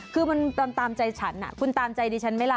คือมันตามใจฉันคุณตามใจดิฉันไหมล่ะ